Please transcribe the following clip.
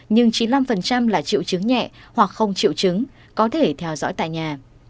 nhưng chín mươi năm là triệu chứng nhẹ hoặc không triệu chứng có thể theo dõi tại nhà